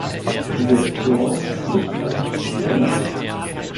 Der Turm ist nicht öffentlich zugänglich.